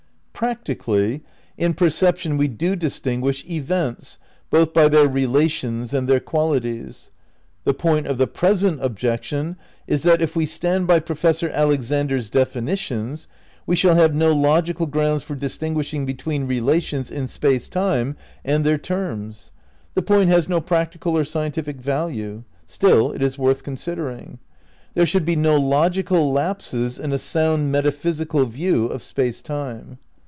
Practically, in perception we do distinguish events both by their relations and their qualities. The point of the present objection is that, if we stand by Profes sor Alexander's definitions, we shall have no logical grounds for distinguishing between relations in space time and their terms. The point has no practical or scientific value; stiU, it is worth considering. There should be no logical lapses in a sound metaphysical view of Space Time.